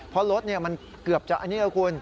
เพราะรถมันเกือบจะอันนี้นะคุณ